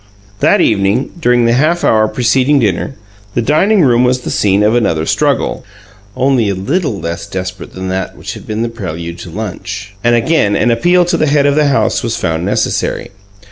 That evening, during the half hour preceding dinner, the dining room was the scene of another struggle, only a little less desperate than that which had been the prelude to lunch, and again an appeal to the head of the house was found necessary.